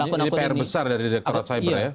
ini pr besar dari direkturat cyber ya